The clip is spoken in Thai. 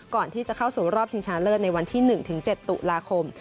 ก่อนที่จะเข้าสู่รอบชิงชนะเลิศในวันที่๑๗ตุลาคม